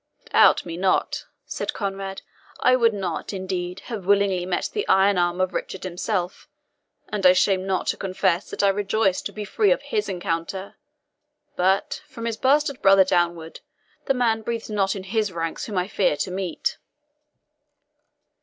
"Doubt me not," said Conrade. "I would not, indeed, have willingly met the iron arm of Richard himself, and I shame not to confess that I rejoice to be free of his encounter; but, from his bastard brother downward, the man breathes not in his ranks whom I fear to meet."